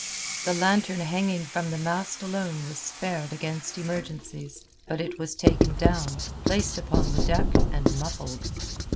The lantern hanging from the mast alone was spared against emergencies; but it was taken down, placed upon the deck, and muffled.